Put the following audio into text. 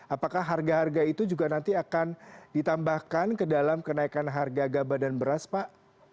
apakah harga harga itu juga nanti akan ditambahkan ke dalam kenaikan harga gabah dan beras pak